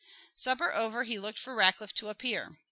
Supper over, he looked for Rackliff to appear.